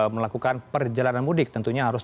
melakukan perjalanan mudik tentunya harus